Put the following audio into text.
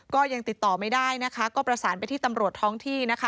ก็ยังติดต่อไม่ได้นะคะก็ประสานไปที่ตำรวจท้องที่นะคะ